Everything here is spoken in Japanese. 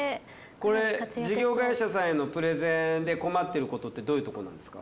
これ事業会社さんへのプレゼンで困ってることってどういうとこなんですか？